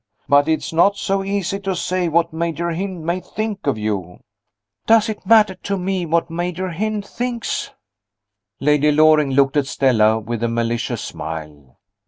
But it's not so easy to say what Major Hynd may think of you." "Does it matter to me what Major Hynd thinks?" Lady Loring looked at Stella with a malicious smile.